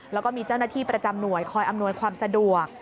แล้วก็มีเจ้าหน้าที่ประจำหน่วยคอยอำนวยความสะดวก